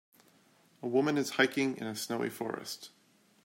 A woman is hiking in a snowy forest.